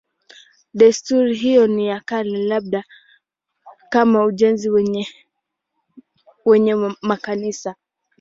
Desturi hiyo ni ya kale, labda kama ujenzi wenyewe wa makanisa.